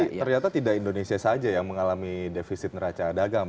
tapi ternyata tidak indonesia saja yang mengalami defisit neraca dagang